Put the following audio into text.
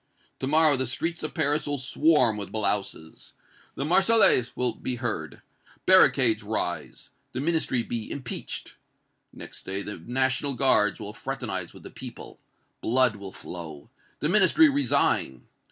To morrow the streets of Paris will swarm with blouses! the Marseillaise will be heard! barricades rise! the Ministry be impeached! Next day the National Guards will fraternize with the people! blood will flow! the Ministry resign!